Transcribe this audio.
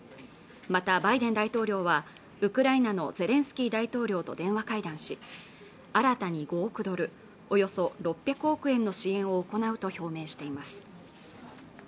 またバイデン大統領はウクライナのゼレンスキー大統領と電話会談し新たに５億ドルおよそ６００億円の支援を行うと表明しています